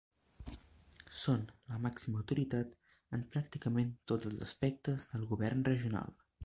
Són la màxima autoritat en pràcticament tots els aspectes del govern regional.